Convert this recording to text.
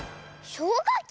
しょうかき！